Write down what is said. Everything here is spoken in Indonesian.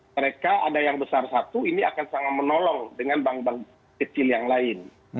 mereka ada yang besar satu ini akan sangat menolong dengan bank bank kecil yang lain